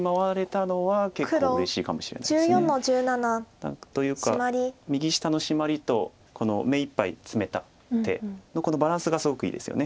何というか右下のシマリとこの目いっぱいツメた手のこのバランスがすごくいいですよね。